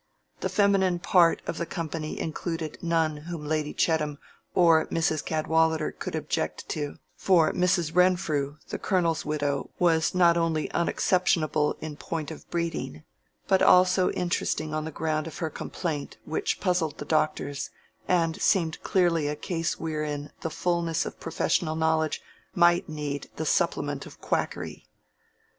The feminine part of the company included none whom Lady Chettam or Mrs. Cadwallader could object to; for Mrs. Renfrew, the colonel's widow, was not only unexceptionable in point of breeding, but also interesting on the ground of her complaint, which puzzled the doctors, and seemed clearly a case wherein the fulness of professional knowledge might need the supplement of quackery.